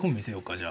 じゃあ。